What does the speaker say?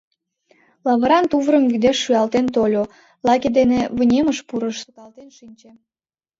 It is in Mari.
Лавыран тувырым вӱдеш шӱалтен тольо, лаке дене вынемыш пурыш, сукалтен шинче.